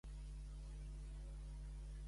Què rememora aquesta última de Crespo?